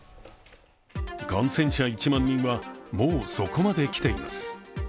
感染者１万人は、もうすぐそこまで来ています。